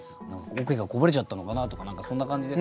桶がこぼれちゃったのかなとか何かそんな感じですけどね。